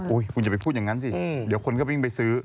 คุณอย่าไปพูดอย่างนั้นสิเดี๋ยวคนก็วิ่งไปซื้อ